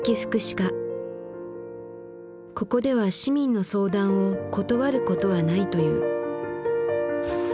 ここでは市民の相談を断ることはないという。